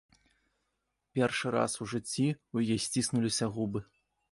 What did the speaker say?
Першы раз у жыцці ў яе сціснуліся губы.